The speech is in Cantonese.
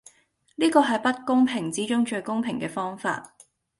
呢個係不公平之中最公平既方法